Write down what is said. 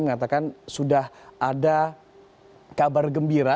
mengatakan sudah ada kabar gembira